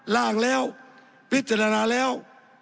ล่างแล้วพิจารณาแล้ว